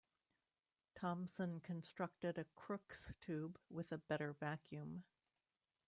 Thomson constructed a Crookes tube with a better vacuum.